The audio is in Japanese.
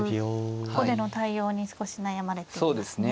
ここでの対応に少し悩まれていますね。